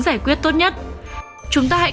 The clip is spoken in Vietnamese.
giải quyết tốt nhất chúng ta hãy